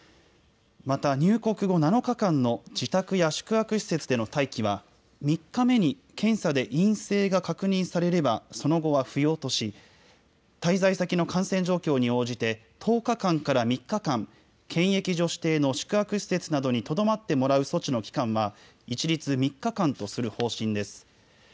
また、入国後７日間の自宅や宿泊施設での待機は、３日目に検査で陰性が確認されれば、その後は不要とし、滞在先の感染状況に応じて、１０日間から３日間、検疫所指定の宿泊施設などにとどまってもらう措置の期間は、一律３日間とする方針です。